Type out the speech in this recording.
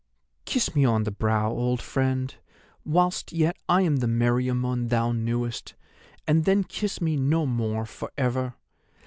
Kiss me on the brow, old friend, whilst yet I am the Meriamun thou knewest, and then kiss me no more for ever.